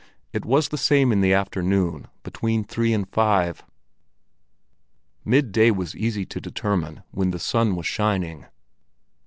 It was the same in the afternoon between three and five. Midday was easy to determine when the sun was shining.